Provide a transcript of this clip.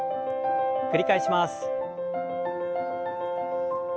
繰り返します。